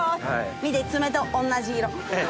見て爪と同じ色。